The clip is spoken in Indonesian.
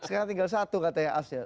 hanya tinggal satu katanya asnya